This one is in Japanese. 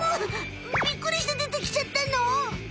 びっくりしてでてきちゃったの？